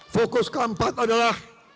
fokus keempat adalah